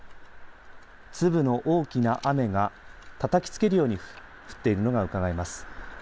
粒の大きな雨がたたきつけるように降っているのがうかがえます。